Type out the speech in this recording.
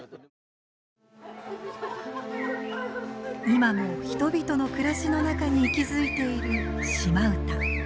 今も人々の暮らしの中に息づいている島唄。